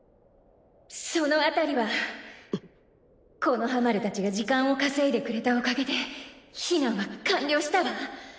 その辺りは木ノ葉丸たちが時間を稼いでくれたおかげで避難は完了したわ。